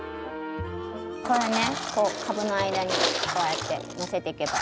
これねこう株の間にこうやってのせていけば。